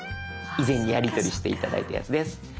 以前やり取りして頂いたやつです。